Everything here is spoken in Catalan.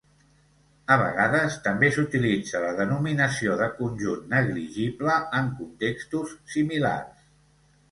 A vegades també s'utilitza la denominació de conjunt negligible en contextos similars.